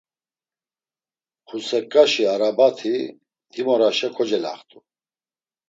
Xuseǩaşi arabati himoraşa kocelaxt̆u.